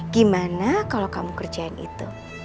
gimana kalau kamu kerjain itu